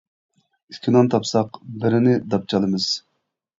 ئىككى نان تاپساق، بىرىنى داپ چالىمىز.